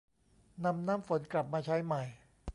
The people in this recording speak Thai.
นำน้ำฝนกลับมาใช้ใหม่